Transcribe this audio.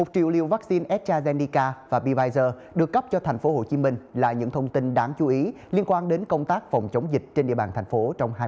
một triệu liều vaccine astrazeneca và pfizer được cắp cho thành phố hồ chí minh là những thông tin đáng chú ý liên quan đến công tác phòng chống dịch trên địa bàn thành phố trong hai mươi bốn ngày